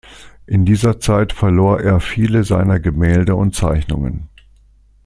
In dieser Zeit verlor er viele seiner Gemälde und Zeichnungen.